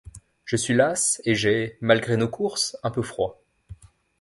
Je suis lasse et j'ai, malgré nos courses, un peu froid.